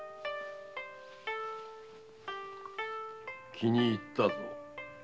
気に入ったぞ。